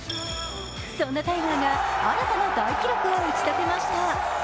そんなタイガーが新たな大記録を打ちたてました。